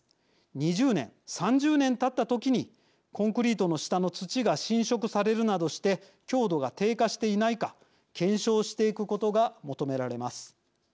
２０年３０年たった時にコンクリートの下の土が浸食されるなどして強度が低下していないか検証していくことが求められます。